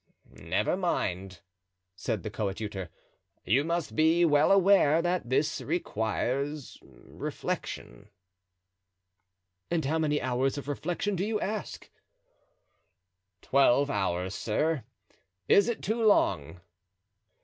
"Never mind," said the coadjutor; "you must be well aware that this requires reflection." "And how many hours of reflection do you ask?" "Twelve hours, sir; is it too long?"